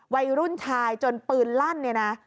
วัยรุ่นชายจนปืนลั่นเนี่ยนะ